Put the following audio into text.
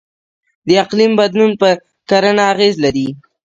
د اقلیم بدلون په کرنه اغیز لري.